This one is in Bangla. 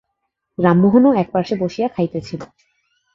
রামমােহনও এক পার্শ্বে বসিয়া খাইতেছিল।